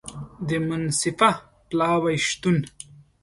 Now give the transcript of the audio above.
د منصفه پلاوي شتون